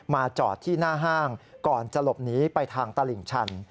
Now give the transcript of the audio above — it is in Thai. จอดที่หน้าห้างก่อนจะหลบหนีไปทางตลิ่งชัน